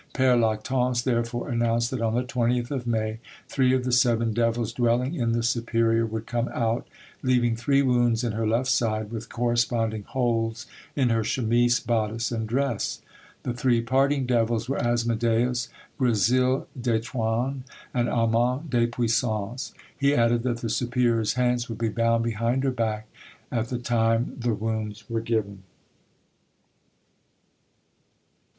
Pere Lactance therefore announced that on the 20th of May three of the seven devils dwelling in the superior would come out, leaving three wounds in her left side, with corresponding holes in her chemise, bodice, and dress. The three parting devils were Asmodeus, Gresil des Trones, and Aman des Puissances. He added that the superior's hands would be bound behind her back at the time the wounds were given.